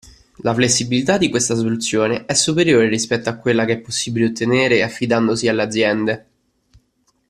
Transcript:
La flessibilità di questa soluzione è superiore rispetto a quella che è possibile ottenere affidandosi alle aziende.